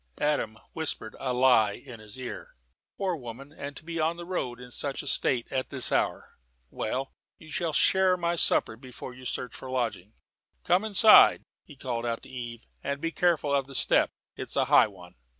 Adam whispered a lie in his ear. "Poor woman, and to be on the road, in such a state, at this hour! Well, you shall share my supper before you search for a lodging. Come inside," he called out to Eve, "and be careful of the step. It's a high one."